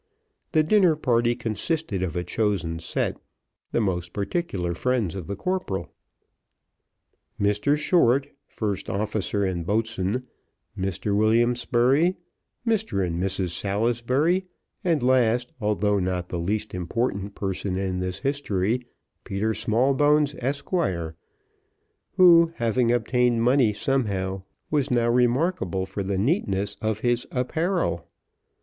The dinner party consisted of a chosen set, the most particular friends of the corporal. Mr Short, first officer and boatswain, Mr William Spurey, Mr and Mrs Salisbury; and last, although not the least important person in this history, Peter Smallbones, Esquire, who having obtained money somehow, was now remarkable for the neatness of his apparel.